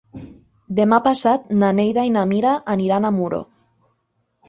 Demà passat na Neida i na Mira aniran a Muro.